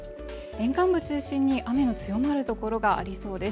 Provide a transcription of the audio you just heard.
沿岸部を中心に雨の強まるところがありそうです。